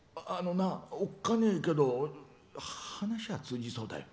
おっかねえけど話は通じそうだよ。